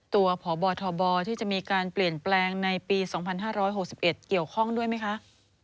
พบทบที่จะมีการเปลี่ยนแปลงในปี๒๕๖๑เกี่ยวข้องด้วยไหมคะ